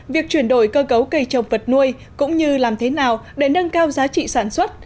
việc chuyển đổi cơ cấu cây trồng vật nuôi cũng như làm thế nào để nâng cao giá trị sản xuất